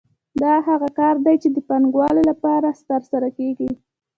دا هغه کار دی چې د پانګوالو لپاره ترسره کېږي